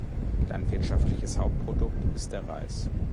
Landwirtschaftliches Hauptprodukt ist der Reis.